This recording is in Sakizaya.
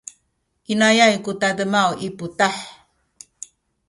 inayay ku tademaw i putah.